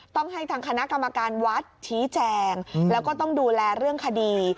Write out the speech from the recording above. ต้องให้ทางคณะกรรมการวัดชี้แจงแล้วก็ต้องดูแลเรื่องคดี